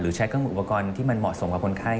ใช้เครื่องอุปกรณ์ที่มันเหมาะสมกับคนไข้